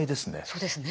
そうですね。